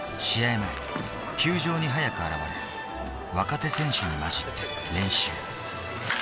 前、球場に早く現れ、若手選手に交じって練習。